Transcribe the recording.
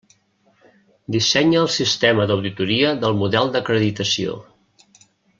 Dissenya el sistema d'auditoria del model d'acreditació.